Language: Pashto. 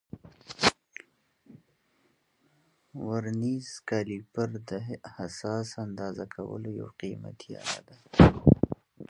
ورنیز کالیپر د حساس اندازه کولو یو قیمتي آله ده.